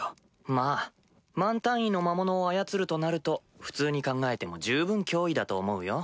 まぁ万単位の魔物を操るとなると普通に考えても十分脅威だと思うよ。